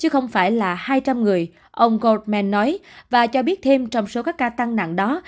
chứ không phải là hai trăm linh người ông gordman nói và cho biết thêm trong số các ca tăng nặng đó